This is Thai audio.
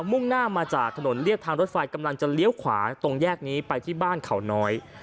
มุ่งหน้ามาจากถนนเรียบทางรถไฟกำลังจะเลี้ยวขวาตรงแยกนี้ไปที่บ้านเขาน้อย